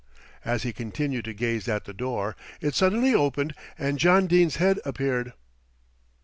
As he continued to gaze at the door, it suddenly opened and John Dene's head appeared.